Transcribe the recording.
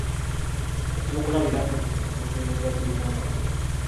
Ekyokulabirako kino ekimpeereddwa kirimu amakulu?